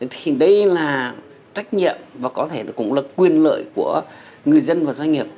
thì đây là trách nhiệm và có thể cũng là quyền lợi của người dân và doanh nghiệp